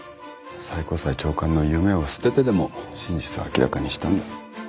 最高裁長官の夢を捨ててでも真実を明らかにしたんだ。